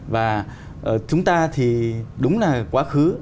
và chúng ta thì đúng là quá khứ